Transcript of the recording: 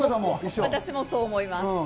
私もそう思います。